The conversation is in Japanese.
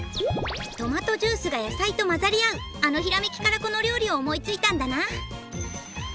トマトジュースが野菜とまざりあうあのひらめきからこのりょうりをおもいついたんだな。